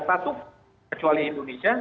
satu kecuali indonesia